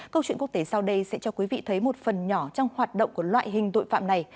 câu chuyện quốc tế sau đây sẽ cho quý vị thấy một phần nhỏ trong hoạt động của loại hình tội phạm này